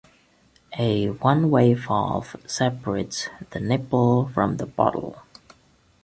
A one-way valve separates the nipple from the bottle.